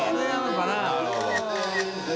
なるほど。）